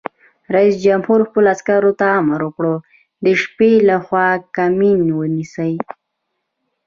رئیس جمهور خپلو عسکرو ته امر وکړ؛ د شپې لخوا کمین ونیسئ!